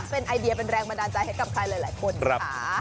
เป็นไอเดียเป็นแรงบันดาลใจให้กับใครหลายคนค่ะ